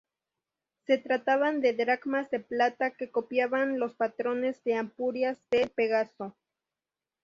Se trataban de dracmas de plata que copiaban los patrones de Ampurias del pegaso.